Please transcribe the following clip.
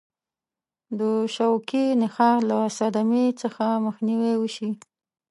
د شوکي نخاع له صدمې څخه مخنیوي وشي.